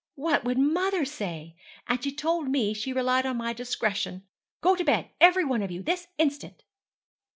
'What would mother say? And she told me she relied on my discretion! Go to bed, every one of you, this instant!'